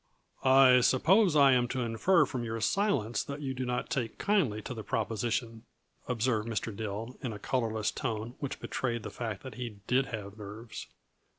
"I suppose I am to infer from your silence that you do not take kindly to the proposition," observed Mr. Dill, in a colorless tone which betrayed the fact that he did have nerves.